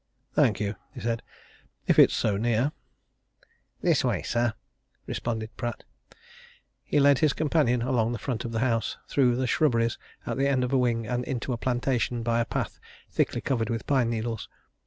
"Thank you," he said. "If it's so near." "This way, sir," responded Pratt. He led his companion along the front of the house, through the shrubberies at the end of a wing, and into a plantation by a path thickly covered with pine needles.